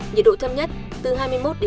nhiệt độ thâm nhất từ hai mươi một hai mươi bốn độ